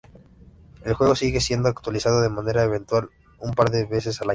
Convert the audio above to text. El juego sigue siendo actualizado de manera eventual un par de veces al año.